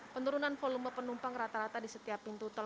penurunan volume penumpang rata rata di setiap pintu tol